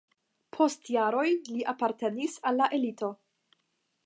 Post jaroj li apartenis al la elito.